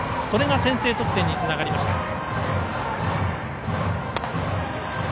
それが先制得点につながりました。